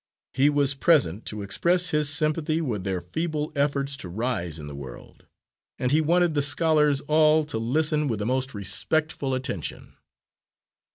He was present to express his sympathy with their feeble efforts to rise in the world, and he wanted the scholars all to listen with the most respectful attention.